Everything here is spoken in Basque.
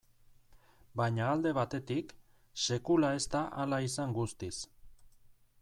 Baina alde batetik, sekula ez da hala izan guztiz.